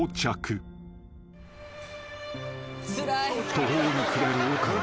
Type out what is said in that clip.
［途方に暮れる岡野。